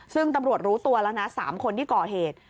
ซึ่งตำรวจรู้ตัวแล้วนะ๓คนที่ก่อเหตุ